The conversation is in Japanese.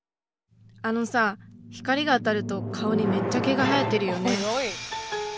「あのさ光が当たると顔にめっちゃ毛が生えてるよね」。